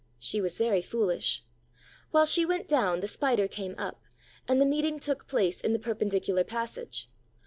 She was very foolish: while she went down, the Spider came up; and the meeting took place in the perpendicular passage.